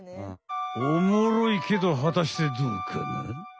おもろいけどはたしてどうかな？